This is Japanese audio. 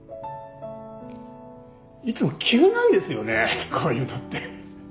いつも急なんですよねこういうのって。